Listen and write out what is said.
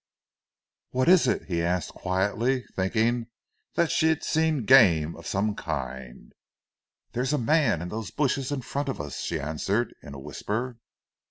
"What is it?" he asked quietly, thinking that she had seen game of some kind. "There is a man in those bushes in front of us," she answered in a whisper.